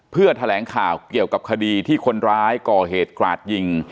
เพื่อแถลงข่าวเกี่ยวกับคดีที่คนร้ายก่อเหตุกราดยิง